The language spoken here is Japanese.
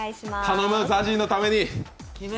頼む、ＺＡＺＹのために。